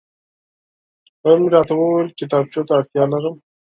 لور مې راته وویل کتابچو ته اړتیا لرم